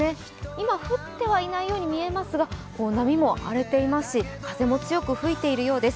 今降ってはいないように見えますが、波も荒れていますし風も強く吹いているようです。